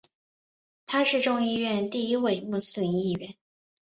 他是众议院第一位穆斯林议员。